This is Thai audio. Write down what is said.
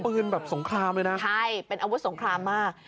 แบบสงครามเลยนะใช่เป็นอาวุธสงครามมาก